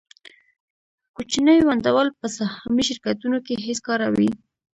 کوچني ونډه وال په سهامي شرکتونو کې هېڅکاره وي